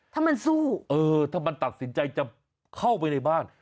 ถ้ามันสู้เออถ้ามันตัดสินใจจะเข้าไปในบ้าน